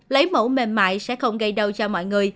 lấy mẫu mềm mại sẽ không gây đau cho mọi người